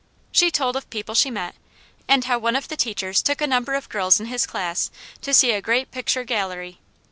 She told of people she met, and how one of the teachers took a number of girls in his class to see a great picture gallery.